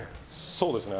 そうですね。